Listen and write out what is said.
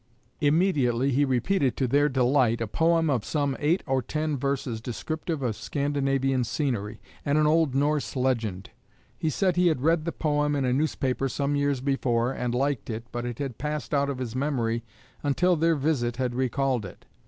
Immediately he repeated, to their delight, a poem of some eight or ten verses descriptive of Scandinavian scenery, and an old Norse legend. He said he had read the poem in a newspaper some years before, and liked it, but it had passed out of his memory until their visit had recalled it.